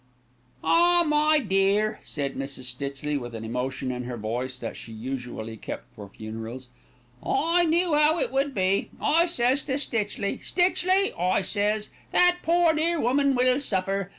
"Ah! my dear," said Mrs. Stitchley, with an emotion in her voice that she usually kept for funerals, "I knew 'ow it would be. I says to Stitchley, 'Stitchley,' I says, 'that poor, dear woman will suffer.